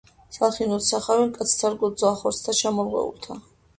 სალხინოდ ჰსახვენ, კაცთ სარგოდ ძვალ-ხორცთა ჩამორღვეულთა.